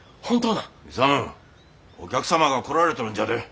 勇お客様が来られとるんじゃで。